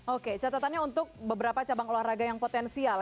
oke catatannya untuk beberapa cabang olahraga yang potensial